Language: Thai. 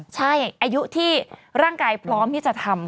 ใช่อายุที่ร่างกายพร้อมที่จะทำ